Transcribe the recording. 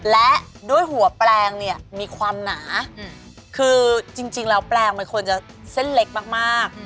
และด้วยหัวแปลงเนี่ยมีความหนาคือจริงแล้วแปลงมันควรจะเส้นเล็กมาก